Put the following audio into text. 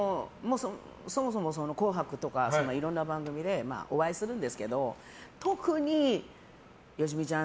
そもそも「紅白」とかいろんな番組でお会いするんですけど特に、よしみちゃん